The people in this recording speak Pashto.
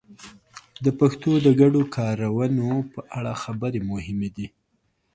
د پښتو د ګډو کارونو په اړه خبرې مهمې دي.